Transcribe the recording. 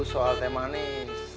soal teh manis